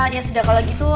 ya sudah kalau gitu